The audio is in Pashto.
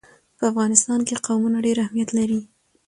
په افغانستان کې قومونه ډېر اهمیت لري.